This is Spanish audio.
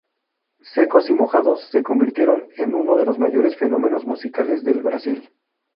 Secos y Mojados se convirtieron en uno de los mayores fenómenos musicales del Brasil.